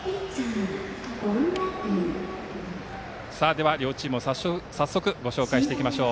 では両チームを早速ご紹介していきましょう。